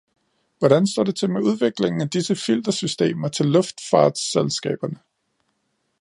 Hvordan står det til med udviklingen af disse filtersystemer til luftfartsselskaberne?